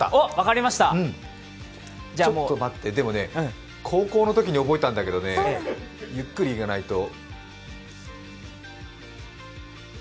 ちょっと待って、でも高校のときに覚えたんだけどね、ゆっくりいかないと。